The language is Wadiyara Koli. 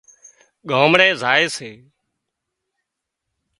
ڳامڙي زائي سي